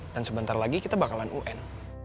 dan sebentar lagi kita bakalan un